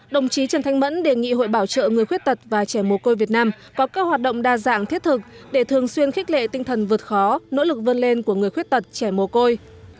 đồng chí trần thanh mẫn đề nghị hội bảo trợ người khuyết tật và trẻ mồ côi việt nam có các hoạt động đa dạng thiết thực để thường xuyên khích lệ tinh thần vượt khó nỗ lực vươn lên của người khuyết tật trẻ mồ côi